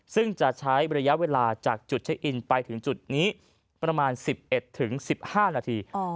ซึ่งจะใช้ระยะเวลาจากจุดเช็คอินไปถึงจุดนี้ประมาณ๑๑๑๕นาที